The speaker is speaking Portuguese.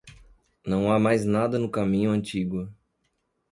Não há mais nada no caminho antigo.